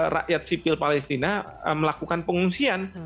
rakyat sipil palestina melakukan pengungsian